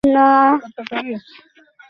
কার্লটনের ব্যাপারে তো নতুন কিছু বলার নেই।